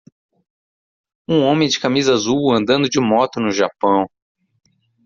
Um homem de camisa azul andando de moto no Japão.